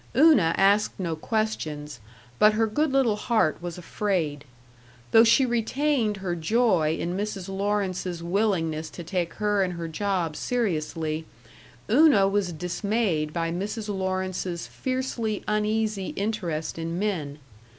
Una asked no questions, but her good little heart was afraid. Though she retained her joy in Mrs. Lawrence's willingness to take her and her job seriously, Una was dismayed by Mrs. Lawrence's fiercely uneasy interest in men....